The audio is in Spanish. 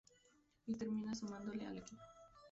Y termina sumándose al equipo.